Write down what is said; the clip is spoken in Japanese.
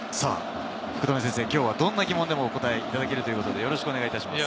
福留先生、きょうはどんな疑問でもお答えいただけるということでよろしくお願いします。